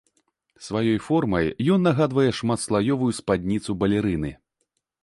Сваёй формай ён нагадвае шматслаёвую спадніцу балерыны.